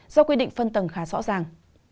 do quy định phân tầng khá rõ ràng